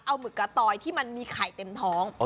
เอาหมึกกะตอยที่มันมีไข่เต็มท้อง